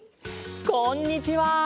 こんにちは。